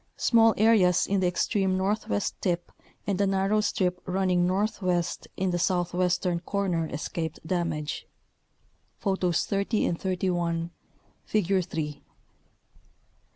Small areas in the extreme northwest tip and a narrow strip running northwest in the south western corner escaped damage (Photos 30 and 31, Figure 3).